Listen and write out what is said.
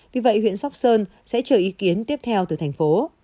vì vậy huyện sóc sơn sẽ chờ ý kiến tiếp theo từ thành phố